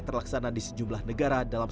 terlaksana di sejumlah negara dalam